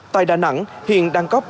tại đà nẵng hiện đang có